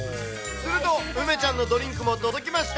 すると、梅ちゃんのドリンクも届きました。